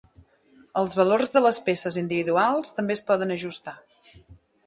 Els valors de les peces individuals també es poden ajustar.